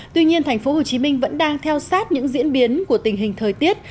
tuy nhiên thành phố hồ chí minh vẫn đang theo sát những diễn biến của tình hình thời tiết